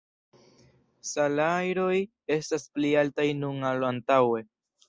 Salajroj estas pli altaj nun ol antaŭe.